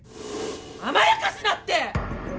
甘やかすなって。